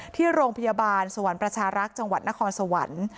ที่โรงพยาบาลสวรรค์ประชารักษ์จังหวัดนครสวรรค์